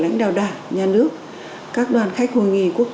nhưng mà cái lỗi em chủ quan